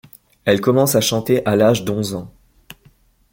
Elle commence à chanter à l'âge d'onze ans.